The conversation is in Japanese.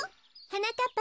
はなかっ